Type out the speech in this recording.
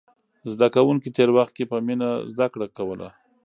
زده کوونکي تېر وخت کې په مینه زده کړه کوله.